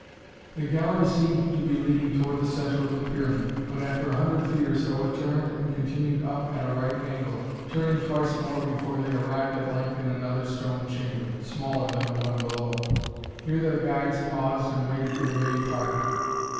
The gallery seemed to be leading toward the center of the pyramid, but after a hundred feet or so it turned and continued up at a right angle, turning twice more before they arrived at length in another stone chamber, smaller than the one below. Here their guides paused and waited for the main party.